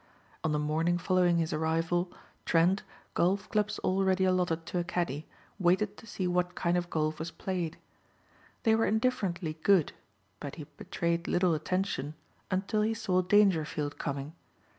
On the morning following his arrival, Trent, golf clubs already allotted to a caddy, waited to see what kind of golf was played. They were indifferently good but he betrayed little attention until he saw Dangerfield coming.